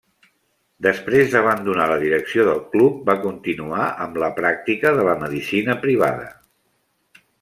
Després d'abandonar la direcció del club va continuar amb la pràctica de la medicina privada.